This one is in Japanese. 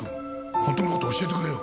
本当の事を教えてくれよ。